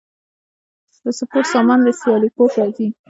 د سپورت سامان له سیالکوټ راځي؟